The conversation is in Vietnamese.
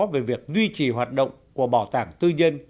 về việc duy trì hoạt động của bảo tàng tư nhân